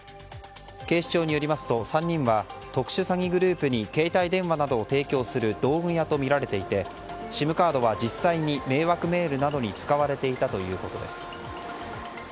警視庁によりますと、３人は特殊詐欺グループに携帯電話などを提供する道具屋とみられていてＳＩＭカードは実際に迷惑メールなどに使われていたということです。